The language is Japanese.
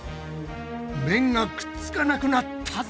麺がくっつかなくなったぞ！